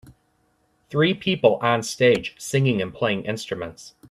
Three people on stage singing and playing instruments.